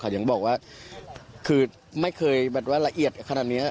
เขายังบอกว่าคือไม่เคยแบบว่าละเอียดขนาดนี้